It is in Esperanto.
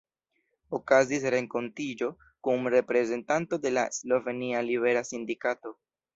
Okazis renkontiĝo kun reprezentanto de la slovenia libera sindikato.